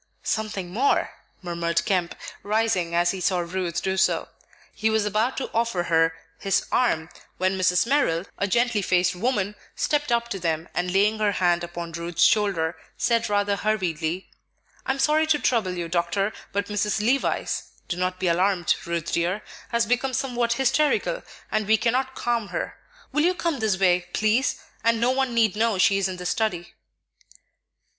"Something more," murmured Kemp, rising as he saw Ruth do so. He was about to offer her his arm when Mrs. Merrill, a gently faced woman, stepped up to them, and laying her hand upon Ruth's shoulder, said rather hurriedly, "I am sorry to trouble you, Doctor, but Mrs. Levice do not be alarmed, Ruth dear has become somewhat hysterical, and we cannot calm her; will you come this way, please, and no one need know she is in the study."